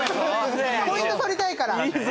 ポイント取りたいから！